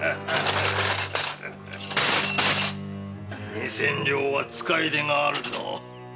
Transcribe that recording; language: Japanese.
二千両は使いでがあるぞ。